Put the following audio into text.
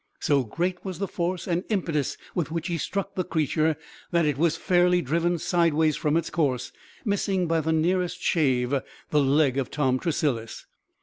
So great was the force and impetus with which he struck the creature, that it was fairly driven sideways from its course, missing by the nearest shave the leg of Tom Tressilis.